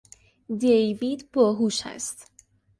دیوید باهوش است.